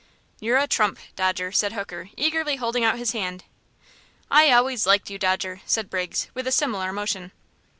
"You're a trump, Dodger," said Hooker, eagerly holding out his hand. "I always liked you, Dodger," said Briggs, with a similar motion.